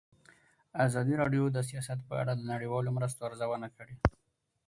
ازادي راډیو د سیاست په اړه د نړیوالو مرستو ارزونه کړې.